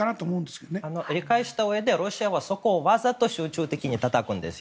それは理解したうえでロシアはそこをわざと集中的にたたくんですよ。